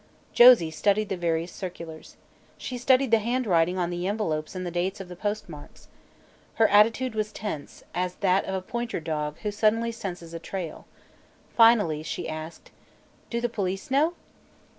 Josie studied the various circulars. She studied the handwriting on the envelopes and the dates of the postmarks. Her attitude was tense, as that of a pointer dog who suddenly senses a trail. Finally she asked: "Do the police know?"